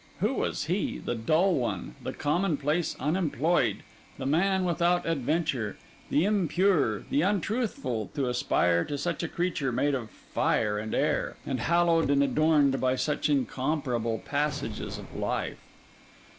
Who was he, the dull one, the commonplace unemployed, the man without adventure, the impure, the untruthful, to aspire to such a creature made of fire and air, and hallowed and adorned by such incomparable passages of life?